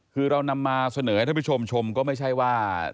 คือเรานำมาเสนอให้ท่านผู้ชมชมก็ไม่ใช่ว่า